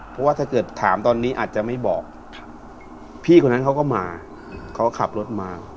เพราะว่าถ้าเกิดถามตอนนี้อาจจะไม่บอกพี่คนนั้นเขาก็มาเขาก็ขับรถมา